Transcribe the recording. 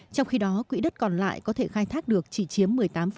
trong khi đó quỹ đất còn lại có thể khai thác được chỉ chiếm một mươi tám